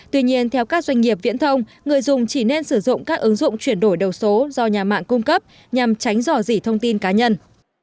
tuy nhiên theo các doanh nghiệp viễn thông người dùng chỉ nên sử dụng các ứng dụng chuyển đổi đầu số do nhà mạng cung cấp nhằm tránh dò dỉ thông tin cá nhân